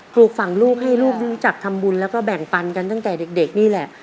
ปลูกฝั่งลูกให้ลูกได้รู้จักทำบุญแล้วก็แบ่งปันกันตั้งแต่เด็กนี่แหละ